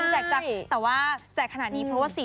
แต่ว่าแจกขนาดนี้เพราะว่า